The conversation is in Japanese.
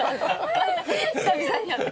久々に会って。